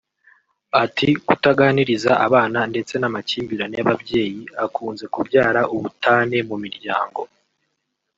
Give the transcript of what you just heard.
Ati “kutaganiriza abana ndetse n’ amakimbirane y’ababyeyi akunze kubyara ubutane mu miryango